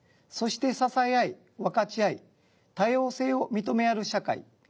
そして支え合い分かち合い多様性を認め合える社会。